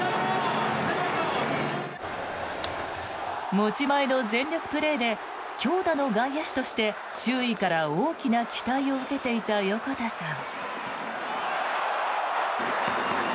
持ち前の全力プレーで強打の外野手として周囲から大きな期待を受けていた横田さん。